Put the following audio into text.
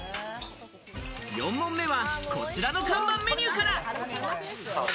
４問目はこちらの看板メニューから。